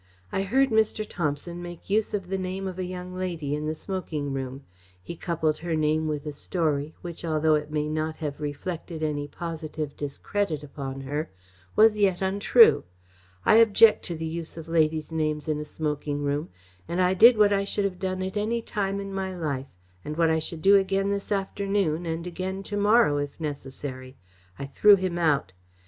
I heard Mr. Thomson make use of the name of a young lady in the smoking room. He coupled her name with a story, which, although it may not have reflected any positive discredit upon her, was yet untrue. I object to the use of ladies' names in a smoking room, and I did what I should have done at any time in my life, and what I should do again this afternoon and again to morrow if necessary I threw him out.